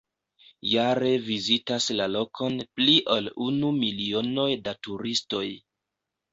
Jare vizitas la lokon pli ol unu milionoj da turistoj.